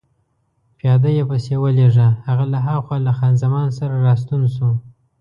پیاده يې پسې ولېږه، هغه له هاخوا له خان زمان سره راستون شو.